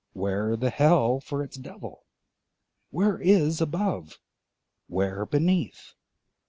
where the Hell for its Devil? Where is above? Where beneath?